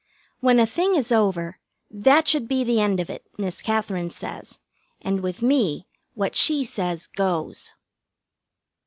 When a thing is over, that should be the end of it, Miss Katherine says, and with me what she says goes.